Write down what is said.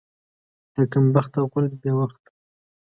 د کم بخته غول بې وخته.